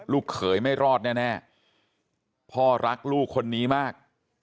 เขยไม่รอดแน่พ่อรักลูกคนนี้มาก